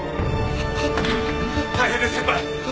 大変です先輩！